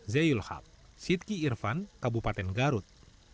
zaiul haq sidki irfan kabupaten garut